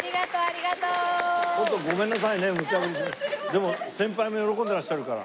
でも先輩も喜んでいらっしゃるから。